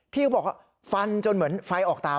พี่ก็บอกฟันจนเหมือนไฟออกตามัน